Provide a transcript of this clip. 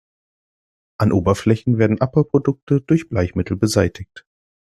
An Oberflächen werden Abbauprodukte durch Bleichmittel beseitigt.